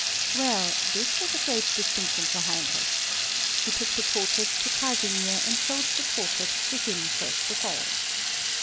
Well, this was a great distinction for Heinrich. He took the portrait to Casimir, and showed the portrait to him first of all.